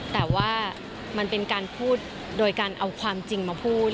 แต่ว่ามันเป็นการพูดโดยการเอาความจริงมาพูด